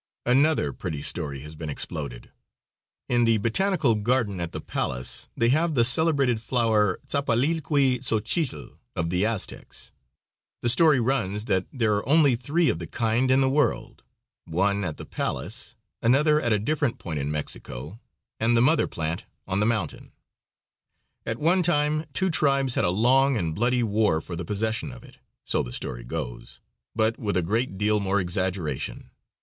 Another pretty, story has been exploded. In the botanical garden at the palace they have the celebrated flower Tzapalilqui Xochitl, of the Aztecs. The story runs that there are only three of the kind in the world one one at the palace, another at a different point in Mexico, and the mother plant on the mountain. At one time two tribes had a long and bloody war for the possession of it, so the story goes, but with a great deal more exaggeration.